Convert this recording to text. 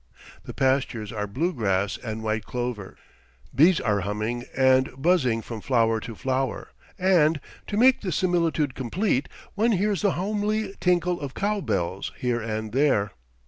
The pastures are blue grass and white clover; bees are humming and buzzing from flower to flower, and, to make the similitude complete, one hears the homely tinkle of cow bells here and there.